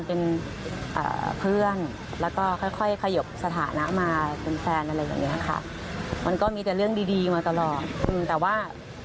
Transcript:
เป็นคนเดาว่าเป็นพี่ไข่หรือเปล่า